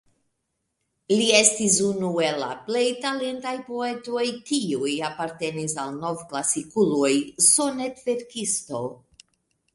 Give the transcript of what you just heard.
Li estis unu el la plej talentaj poetoj, kiuj apartenis al nov-klasikuloj, sonet-verkisto.